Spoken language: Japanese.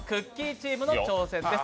チームの挑戦です。